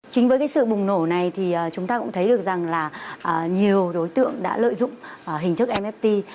chính với cái sự bùng nổ này thì chúng ta cũng thấy được rằng là nhiều đối tượng đã lợi dụng hình thức mft